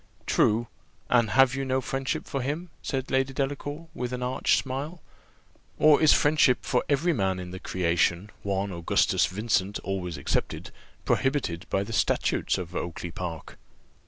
"True. And have you no friendship for him?" said Lady Delacour with an arch smile, "or is friendship for every man in the creation, one Augustus Vincent always excepted, prohibited by the statutes of Oakly park?"